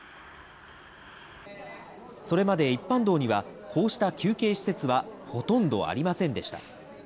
それまで一般道にはこうした休憩施設はほとんどありませんでした。